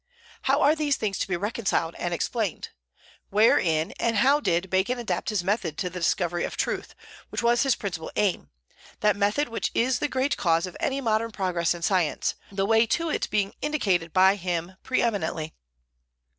How are these things to be reconciled and explained? Wherein and how did Bacon adapt his method to the discovery of truth, which was his principal aim, that method which is the great cause of modern progress in science, the way to it being indicated by him pre eminently?